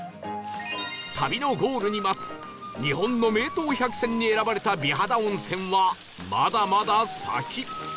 旅のゴールに待つ日本の名湯百選に選ばれた美肌温泉はまだまだ先